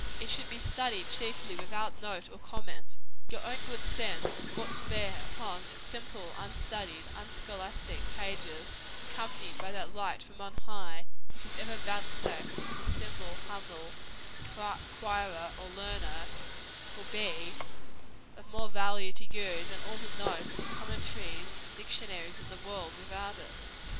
It should be studied chiefly without note or comment. Your own good sense, brought to bear upon its simple, unstudied, unscholastic pages, accompanied by that light from on high which is ever vouchsafed to the simple, humble inquirer and learner, will be of more value to you than all the notes, and commentaries, and dictionaries in the world, without it.